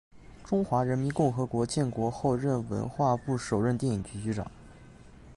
中华人民共和国建国后任文化部首任电影局局长。